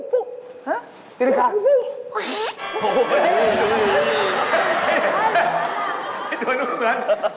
พี่โดยนึกเหมือน